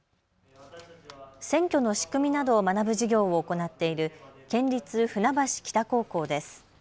選挙の仕組みなどを学ぶ授業を行っている県立船橋北高校です。